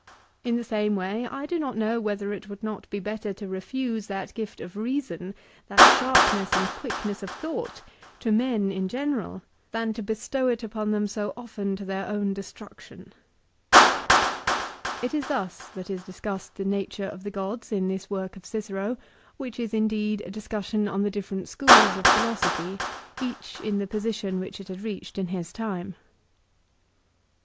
In the same way I do not know whether it would not be better to refuse that gift of reason, that sharpness and quickness of thought, to men in general, than to bestow 1 De Nat. Deo. lib. ii. ta. liv. and Iv. 362 LIFE OF CICERO. it upon them so often to their own destruction." * It is thus that is discussed the nature of the gods in this work of Cicero, which is indeed a discussion on the different schools of Philo sophy, each in the position which it had reached in his time.